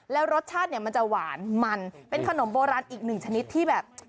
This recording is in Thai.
แล้วรสชาติเนี่ยมันจะหวานมันเป็นขนมโบราณอีกหนึ่งชนิดที่แบบ